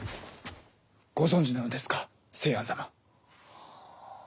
ご存じなのですか清庵様？